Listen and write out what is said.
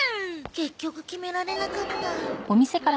結局決められなかった。